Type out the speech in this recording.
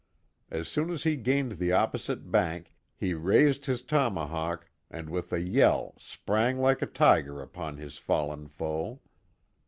As soon as he gained tiie opposite bank, he raised his toma hawk, and with a yell sprang like a tiger upon his fallen foe.